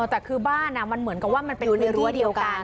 แต่คือบ้านมันเหมือนกับว่าอยู่ในรั้วไปด้วยกัน